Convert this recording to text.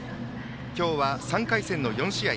今日は３回戦の４試合。